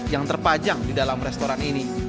yang terpajang di dalam restoran ini